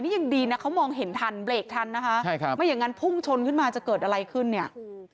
นี่ยังดีนะเขามองเห็นทันเบรกทันนะคะใช่ครับไม่อย่างนั้นพุ่งชนขึ้นมาจะเกิดอะไรขึ้นเนี่ย